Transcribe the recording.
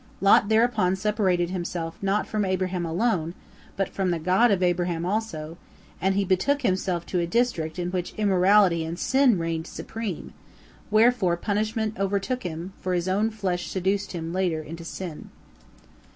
Lot thereupon separated himself not from Abraham alone, but from the God of Abraham also, and he betook himself to a district in which immorality and sin reigned supreme, wherefore punishment overtook him, for his own flesh seduced him later unto sin.